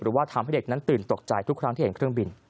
หรือว่าทำให้เด็กนั้นตื่นตกใจทุกครั้งที่เห็นเครื่องบิน